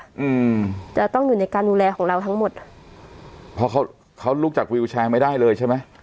อืมจะต้องอยู่ในการดูแลของเราทั้งหมดอ่ะเพราะเขาเขาลุกจากวิวแชร์ไม่ได้เลยใช่ไหม